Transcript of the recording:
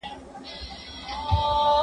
زه اوږده وخت کتابونه لوستل کوم،